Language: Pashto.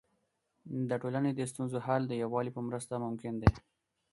د ټولنې د ستونزو حل د یووالي په مرسته ممکن دی.